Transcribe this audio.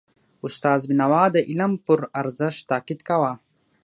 استاد بینوا د علم پر ارزښت تاکید کاوه.